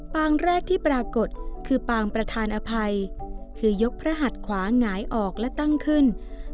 งแรกที่ปรากฏคือปางประธานอภัยคือยกพระหัดขวาหงายออกและตั้งขึ้น